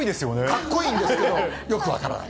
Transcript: かっこいいんですけど、よく分からない。